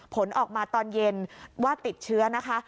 ผลออกมาตอนเย็นว่าติดเชื้อนะคะ